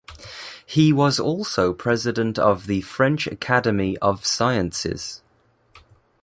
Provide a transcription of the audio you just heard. He was also president of the French Academy of Sciences.